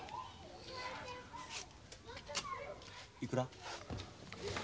いくら？